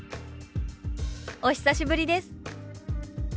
「お久しぶりです」。